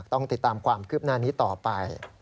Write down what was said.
ต้องติดตามความคืบหน้านี้ต่อไป